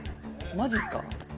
マジっすか。